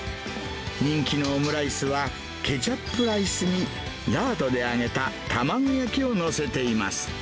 人気のオムライスは、ケチャップライスにラードで揚げた卵焼きを載せています。